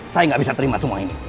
saya nggak bisa terima semua ini